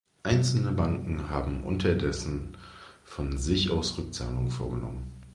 Einzelne Banken haben unterdessen von sich aus Rückzahlungen vorgenommen.